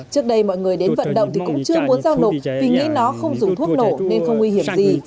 trước đây mọi người đến vận động thì cũng chưa muốn giao nộp vì nghĩ nó không dùng thuốc nổ nên không nguy hiểm gì